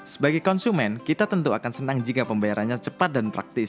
sebagai konsumen kita tentu akan senang jika pembayarannya cepat dan praktis